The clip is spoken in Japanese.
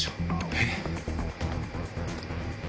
えっ？